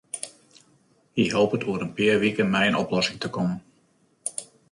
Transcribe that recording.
Hy hopet oer in pear wiken mei in oplossing te kommen.